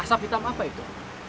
asap hitam apa itu